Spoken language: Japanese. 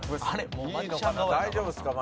大丈夫ですか？